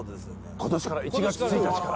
今年から１月１日から。